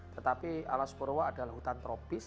tetapi alaspurwo adalah hutan tropis